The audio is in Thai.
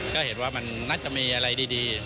ก็เห็นว่ามันน่าจะมีอะไรดี